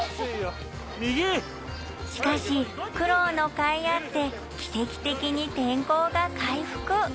しかし苦労のかいあって跡的に天候が回復。